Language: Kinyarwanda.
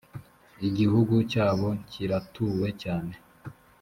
igihugu cyabo kiratuwe cyane.